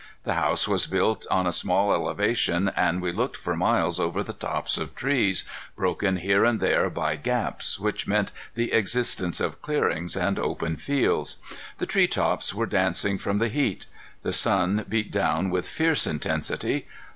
The house was built on a small elevation and we looked for miles over the tops of trees, broken here and there by gaps which meant the existence of clearings and open fields. The treetops were dancing from the heat. The sun beat down with fierce intensity.